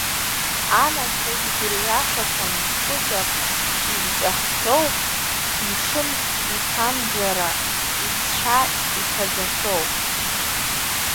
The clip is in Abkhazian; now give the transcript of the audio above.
Анацәа згәырҩашақәа нхәыҵаршә изҵәаххьоу, мшынк иҭамӡара зцәа иҭаӡахьоу.